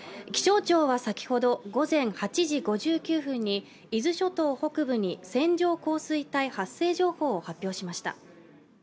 気象庁は先ほど午前８時５９分に伊豆諸島北部に線状降水帯発生情報を発表しました